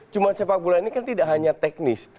cuma sepak bola ini kan tidak hanya teknis